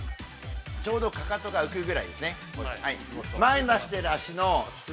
ちょうど、かかとが浮くぐらいですね。